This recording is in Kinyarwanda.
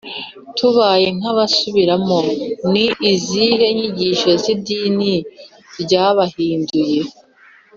tubaye nk’abasubiramo, ni izihe nyigisho z’idini ry’abahindu?